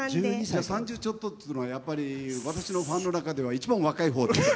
じゃあ３０ちょっとっつうのはやっぱり私のファンの中では一番若いほうです。